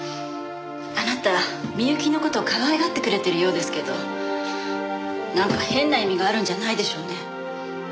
あなた美雪の事かわいがってくれてるようですけどなんか変な意味があるんじゃないでしょうね？